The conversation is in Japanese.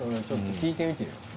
ちょっと聞いてみてよ。